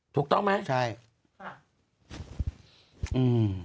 ถูกต้องไหมใช่ค่ะอืม